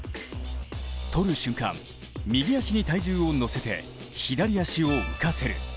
捕る瞬間、右足に体重を乗せて左足を浮かせる。